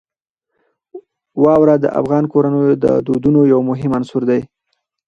واوره د افغان کورنیو د دودونو یو مهم عنصر دی.